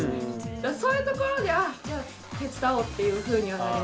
そういうところで「あじゃあ手伝おう」っていうふうにはなりましたね。